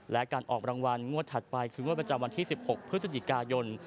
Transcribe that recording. และการออกรางวัลงวดถัดไปคืองวดประจำวันที่๑๖พฤศจิกายน